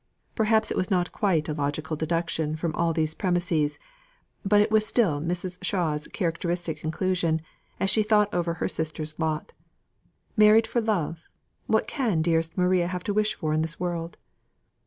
Perhaps it was not quite a logical deduction from all these premises, but it was still Mrs. Shaw's characteristic conclusion, as she thought over her sister's lot: "Married for love, what can dearest Maria have to wish for in this world?"